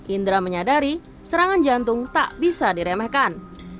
indra menyadari serangan jantung tak bisa diremehkan